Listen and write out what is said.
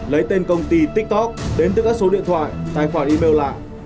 lấy tên công ty tiktok đến từ các số điện thoại tài khoản email lạ